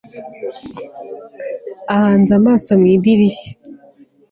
ahanze amaso mu idirishya